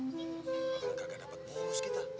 maksudnya kagak dapet bonus kita